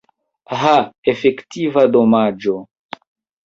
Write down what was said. Ha, efektiva domaĝo!